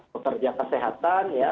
pekerja kesehatan ya